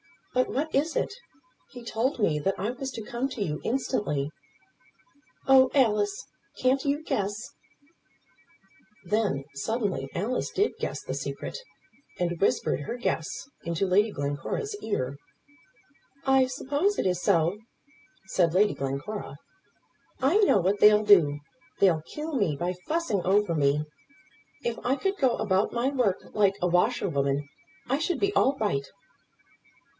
But what is it? He told me that I was to come to you instantly." "Oh, Alice, can't you guess?" Then suddenly Alice did guess the secret, and whispered her guess into Lady Glencora's ear. "I suppose it is so," said Lady Glencora. "I know what they'll do. They'll kill me by fussing over me. If I could go about my work like a washerwoman, I should be all right."